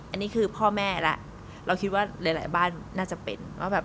อันนี้คือพ่อแม่ละเราคิดว่าหลายบ้านน่าจะเป็น